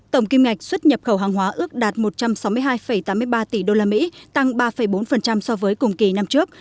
tổng kim ngạch xuất nhập khẩu hàng hóa ước đạt một trăm sáu mươi hai tám mươi ba tỷ usd tăng ba bốn so với cùng kỳ năm trước